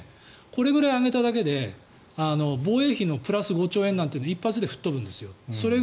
これぐらい上げただけで防衛費のプラス５兆円なんて一発で吹っ飛ぶんですよ。